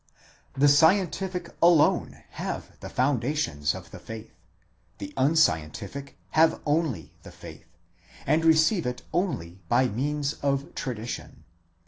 The scientific alone have the foundation of the faith : the unscientific have only the faith, and receive it only by means of tradition.